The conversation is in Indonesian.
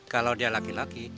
kalau dia laki laki